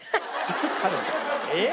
えっ？